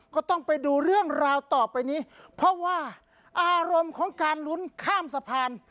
ก็ต้องไปดูเรื่องราวต่อไปนี้เพราะว่าอารมณ์ของการลุ้นข้ามสะพาน